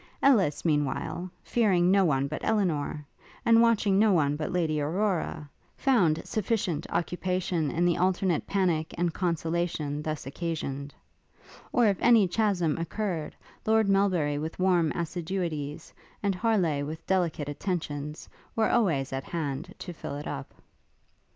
Ellis, meanwhile, fearing no one but Elinor, and watching no one but Lady Aurora, found sufficient occupation in the alternate panic and consolation thus occasioned; or if any chasm occurred, Lord Melbury with warm assiduities, and Harleigh with delicate attentions, were always at hand to fill it up.